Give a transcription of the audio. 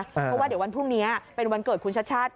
เพราะว่าเดี๋ยววันพรุ่งนี้เป็นวันเกิดคุณชัด